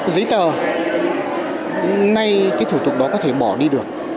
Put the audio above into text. giấy tờ nay cái thủ tục đó có thể bỏ đi được